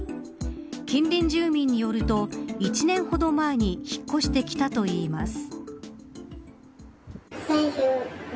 近隣住民によると１年ほど前に引っ越してきたといいます。